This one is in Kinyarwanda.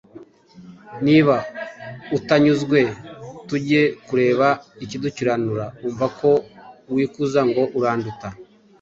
Niba utanyuzwe tuge kureba ikidukiranura umva ko wikuza ngo uranduta,